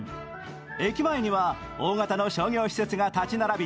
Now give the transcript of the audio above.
駅前には大型の商業施設が立ち並び